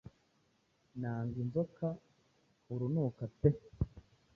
Nanga inzoka urunuka pe